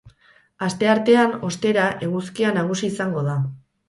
Asteartean, ostera, eguzkia nagusi izango da.